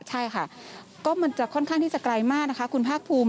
ใช่ค่ะก็มันจะค่อนข้างที่จะไกลมากนะคะคุณภาคภูมิ